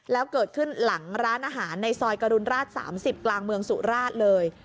แล้วเกิดขึ้นหลังร้านอาหารในซอยกรุณราช๓๐กลางเมืองสุราชเลย